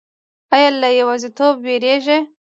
ایا له یوازیتوب ویریږئ؟